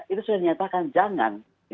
itu sudah dinyatakan jangan